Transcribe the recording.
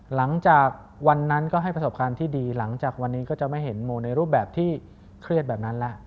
หลังจากวันนั้นก็ให้ประสบการณ์ที่ดีหลังจากวันนี้ก็จะไม่เห็นโมในรูปแบบที่เครียดแบบนั้นแล้ว